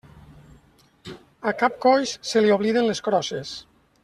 A cap coix se li obliden les crosses.